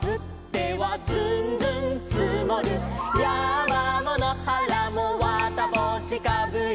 「やーまものはらもわたぼうしかぶり」